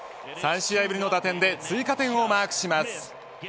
３試合ぶりの打点で追加点をマークします。